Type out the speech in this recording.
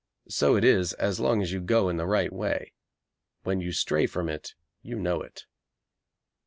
So it is as long as you go in the right way. When you stray from it you know it.